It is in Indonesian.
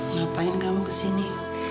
ngapain kamu kesini